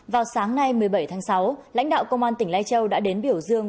vào sáng nay một mươi bảy tháng sáu lãnh đạo công an tỉnh lai châu đã đến biểu dương